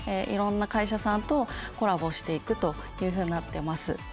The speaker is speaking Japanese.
いろんな会社さんとコラボしていくというふうになってます。